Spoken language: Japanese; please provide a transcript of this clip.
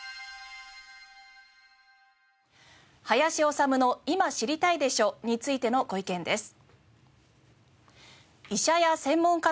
『林修の今知りたいでしょ！』についてのご意見です。